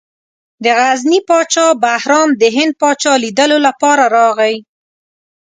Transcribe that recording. د غزني پاچا بهرام د هند پاچا لیدلو لپاره راغی.